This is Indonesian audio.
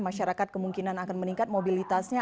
masyarakat kemungkinan akan meningkat mobilitasnya